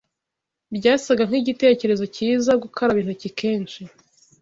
Byasaga nkigitekerezo cyiza gukaraba intoki kenshi.